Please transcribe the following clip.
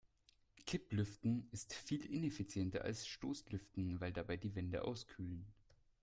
Kipplüften ist viel ineffizienter als Stoßlüften, weil dabei die Wände auskühlen.